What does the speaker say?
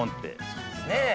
そうですね。